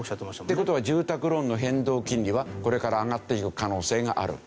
って事は住宅ローンの変動金利はこれから上がっていく可能性がある。